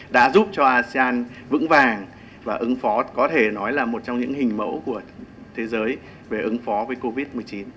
đã giúp cho asean vững vàng và ứng phó có thể nói là một trong những hình mẫu của thế giới về ứng phó với covid một mươi chín